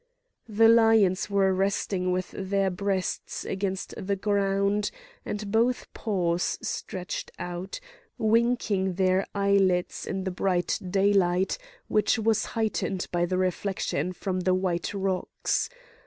The lions were resting with their breasts against the ground and both paws stretched out, winking their eyelids in the bright daylight, which was heightened by the reflection from the white rocks.